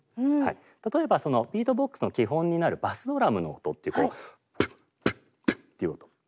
例えばビートボックスの基本になるバスドラムの音って。っていう音。